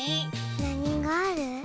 なにがある？